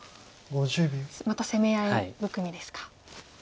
また攻め合い含みですか。